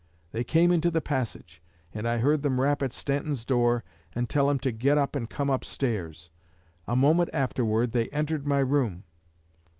They came into the passage, and I heard them rap at Stanton's door and tell him to get up and come upstairs. A moment afterward they entered my room.